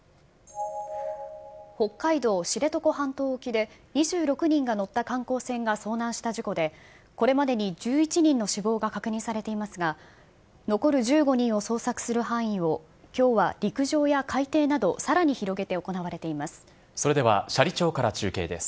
北海道知床半島沖で、２６人が乗った観光船が遭難した事故で、これまでに１１人の死亡が確認されていますが、残る１５人を捜索する範囲を、きょうは陸上や海底など、さらに広げて行われています。